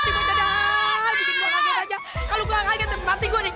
bikin gue kaget kaget kalau gue kaget mati gue nih